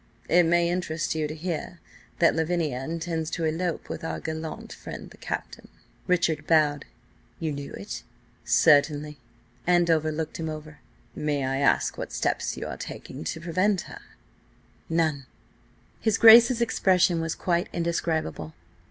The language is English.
It may interest you to hear that Lavinia intends to elope with our gallant friend the Captain." Richard bowed. "You knew it?" "Certainly." Andover looked him over. "May I ask what steps you are taking to prevent her?" "None." His Grace's expression was quite indescribable.